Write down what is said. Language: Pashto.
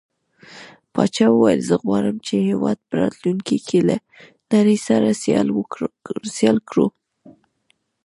پاچا وويل: زه غواړم چې هيواد په راتلونکي کې له نړۍ سره سيال کړو.